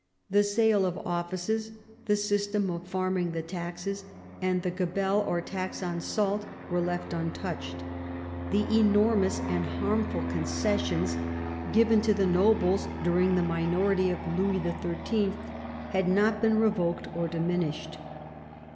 The sale of offices, the system of farming the taxes, and the gahelle or tax on salt were left untouched; the enormous and harmful concessions given to the nobles during the minority of Louis XIII. had not been revoked or diminished.